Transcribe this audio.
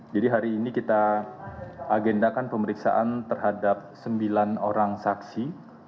jadi hari ini kita agendakan pemeriksaan terhadap sembilan orang saksi